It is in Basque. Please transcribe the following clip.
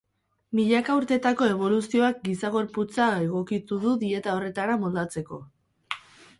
Milaka urtetako eboluzioak giza gorputza egokitu du dieta horretara moldatzeko.